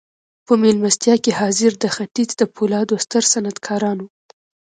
په مېلمستیا کې حاضر د ختیځ د پولادو ستر صنعتکاران وو